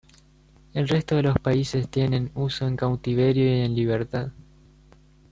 El resto de los países tienen uso en cautiverio y en libertad.